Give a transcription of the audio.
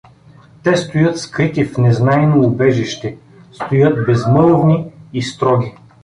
Те стоят скрити в незнайно убежище, стоят безмълвни и строги.